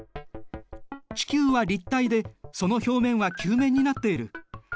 地球は立体でその表面は球面になっている。